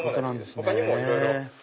他にもいろいろ。